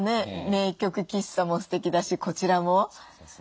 名曲喫茶もすてきだしこちらも。